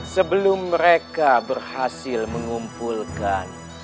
sebelum mereka berhasil mengumpulkan